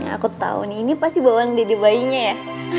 aku tau nih ini pasti bawaan dede bayinya ya